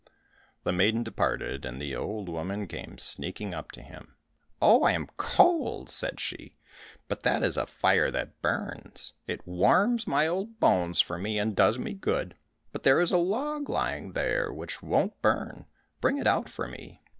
The maiden departed, and the old woman came sneaking up to him. "Oh, I am cold," said she, "but that is a fire that burns; it warms my old bones for me, and does me good! But there is a log lying there which won't burn, bring it out for me.